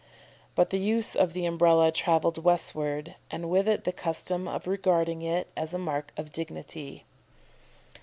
But the use of the Umbrella travelled westward, and with it the custom of regarding it as a mark of dignity.